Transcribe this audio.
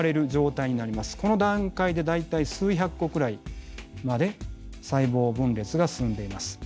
この段階で大体数百個くらいまで細胞分裂が進んでいます。